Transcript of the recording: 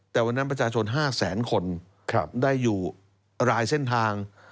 แต่วันนั้นประชาชน๕แสนคนได้อยู่รายเส้นทาง